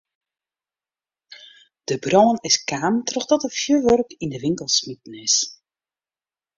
De brân is kaam trochdat der fjurwurk yn de winkel smiten is.